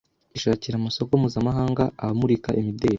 ishakira amasoko mpuzamahanga abamurika imideri